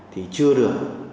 thì chưa được